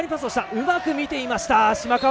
うまく見ていました、島川。